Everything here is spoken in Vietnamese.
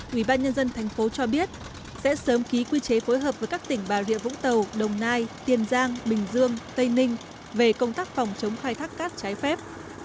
quỹ ban nhân dân thành phố cho biết sẽ sớm ký quy chế phối hợp với các tỉnh bà rịa vũng tàu đồng nai tiền giang bình dương tây ninh về công tác phòng chống khai thác cát trái phép